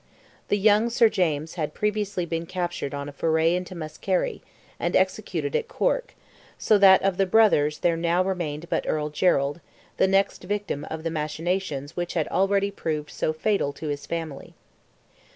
The young Sir James had previously been captured on a foray into Muskerry, and executed at Cork, so that of the brothers there now remained but Earl Gerald, the next victim of the machinations which had already proved so fatal to his family.